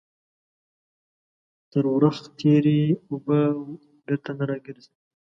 تر ورخ تيري اوبه بيرته نه راگرځي.